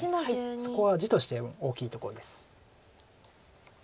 そこは地として大きいところです。